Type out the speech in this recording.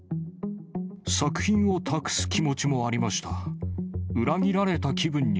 作品を託す気持ちもありました。